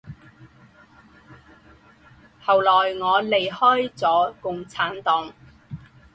后来我离开了共产党。